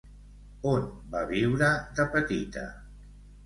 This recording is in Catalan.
On va viure de petita?